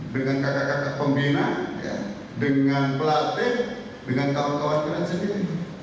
dengan kakak kakak pembina dengan pelatih dengan kawan kawan keren sendiri